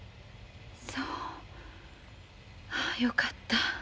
そうああよかった。